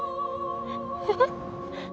えっ？